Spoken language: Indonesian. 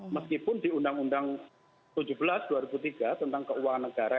meskipun di undang undang tujuh belas dua ribu tiga tentang keuangan negara